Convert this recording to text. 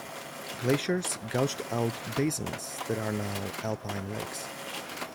Glaciers gouged out basins that are now alpine lakes.